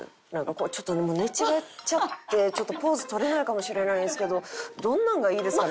「ちょっと寝違えちゃってポーズ取れないかもしれないんですけどどんなのがいいですかね？」。